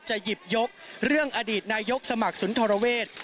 หยิบยกเรื่องอดีตนายกสมัครสุนทรเวศ